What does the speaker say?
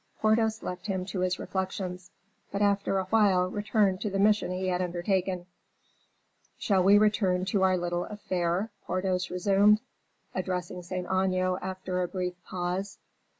Porthos left him to his reflections; but after a while returned to the mission he had undertaken. "Shall we return to our little affair?" Porthos resumed, addressing Saint Aignan after a brief pause.